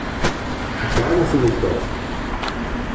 Verklagen Sie mich doch!